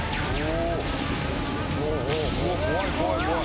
怖い怖い怖い！